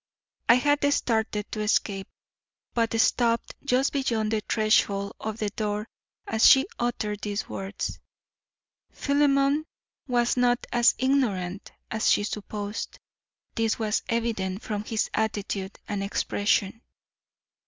I had started to escape, but stopped just beyond the threshold of the door as she uttered these words. Philemon was not as ignorant as she supposed. This was evident from his attitude and expression.